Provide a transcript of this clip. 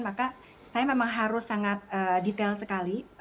maka saya memang harus sangat detail sekali